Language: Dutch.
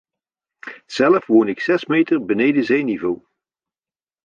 Zelf woon ik zes meter beneden zeeniveau.